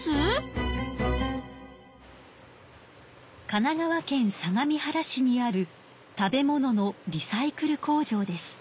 神奈川県相模原市にある食べ物のリサイクル工場です。